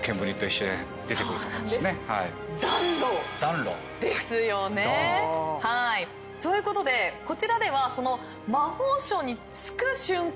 暖炉ですよね。ということでこちらではその魔法省に着く瞬間を体験できるんです。